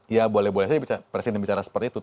ya boleh boleh saja presiden bicara seperti itu